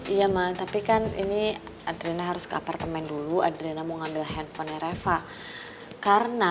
iya mas tapi kan ini adrena harus ke apartemen dulu adriana mau ngambil handphonenya reva karena